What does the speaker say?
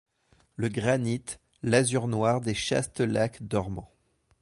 Le granit, l'azur noir des chastes lacs dormants